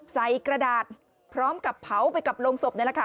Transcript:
กระดาษพร้อมกับเผาไปกับโรงศพนี่แหละค่ะ